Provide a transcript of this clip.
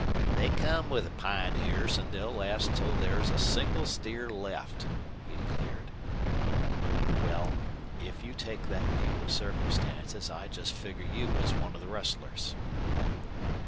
"They come with the pioneers, an' they'll last till thar's a single steer left," he declared. "Well, if you take that view of circumstances I just figure you as one of the rustlers."